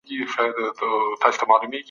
د ماشومانو پالنه مسووليت دی